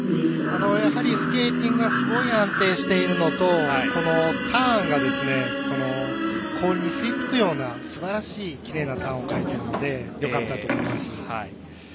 やはりスケーティングがすごい安定しているのとこのターンが氷に吸い付くようなすばらしいきれいなターンを描いているのでよかったと思います。